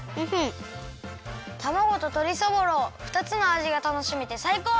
たまごととりそぼろふたつのあじがたのしめてさいこう！